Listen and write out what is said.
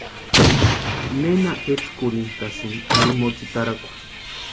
Nena etskurhintʼasïnki ari mótsitarakwa.